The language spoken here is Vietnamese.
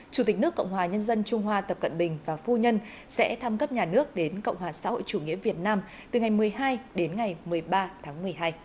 chủ tịch nước cộng hòa nhân dân trung hoa tập cận bình và phu nhân sẽ tham cấp nhà nước đến cộng hòa xã hội chủ nghĩa việt nam từ ngày một mươi hai đến ngày một mươi ba tháng một mươi hai